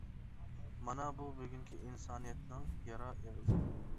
مانا بۇ بۈگۈنكى ئىنسانىيەتنىڭ «يارا ئېغىزى» .